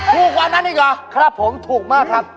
ถูกกว่านั้นดีกว่าครับผมถูกมากครับ